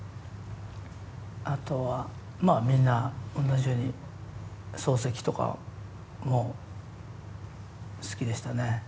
あとはまあみんなおんなじように漱石とかも好きでしたね。